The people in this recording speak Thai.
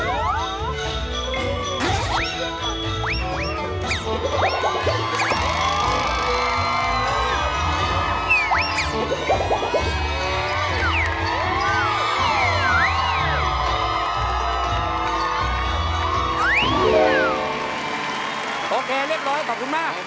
โอเคเรียบร้อยขอบคุณมาก